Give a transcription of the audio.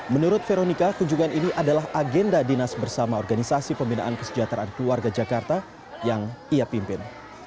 menurut veronica kunjungan ini adalah agenda dinas bersama organisasi pembinaan kesejahteraan keluarga jakarta yang ia pimpin